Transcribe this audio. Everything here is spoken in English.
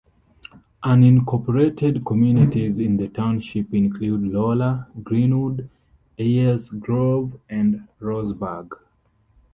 Unincorporated communities in the township include Iola, Greenwood, Eyers Grove, and Rohrsburg.